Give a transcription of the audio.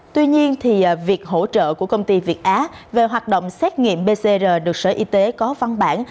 tuy nhiên việc hỗ trợ của công ty việt á về hoạt động xét nghiệm pcr được sở y tế có văn bản